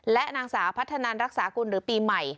และนางสาวพัฒนันรักษากุลหรือปีใหม่